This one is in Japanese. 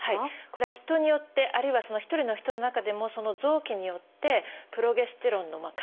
これは人によってあるいはその１人の人の中でもその臓器によってプロゲステロンの感じ方